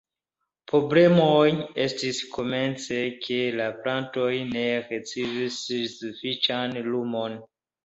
Problemoj estis komence, ke la plantoj ne ricevis sufiĉan lumon.